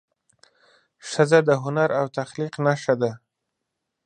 ښځه د هنر او تخلیق نښه ده.